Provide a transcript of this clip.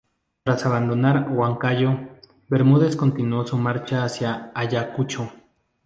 Tras abandonar Huancayo, Bermúdez continuó su marcha hacia Ayacucho.